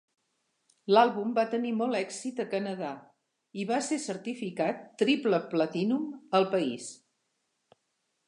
L'àlbum va tenir molt èxit a Canadà, i va ésser certificat Triple Platinum al país.